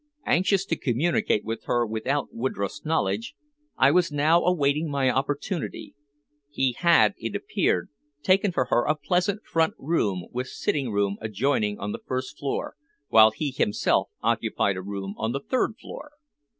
Anxious to communicate with her without Woodroffe's knowledge, I was now awaiting my opportunity. He had, it appeared, taken for her a pleasant front room with sitting room adjoining on the first floor, while he himself occupied a room on the third floor.